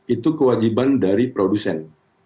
itu kewajiban dari produsen